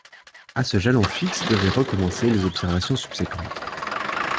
À ce jalon fixe devaient recommencer les observations subséquentes.